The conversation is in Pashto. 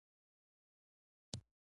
جګړه د عدالت پر ځای ظلم راولي